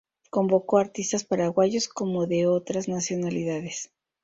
Convocó a artistas paraguayos como de otras nacionalidades.